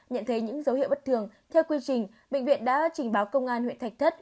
nhận thấy những dấu hiệu bất thường theo quy trình bệnh viện đã trình báo công an huyện thạch thất